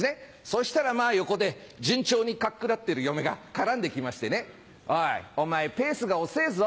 そしたらまぁ横で順調にかっくらってる嫁が絡んで来ましてね「おいお前ペースが遅ぇぞ。